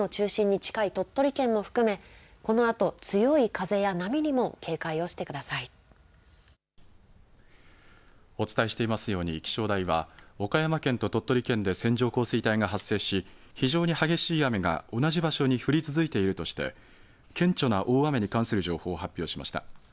台風の中心に近い鳥取県も含め、このあと強い風や波にも警戒をしお伝えしていますように、気象台は、岡山県と鳥取県で線状降水帯が発生し、非常に激しい雨が同じ場所に降り続いているとして、顕著な大雨に関する情報を発表しました。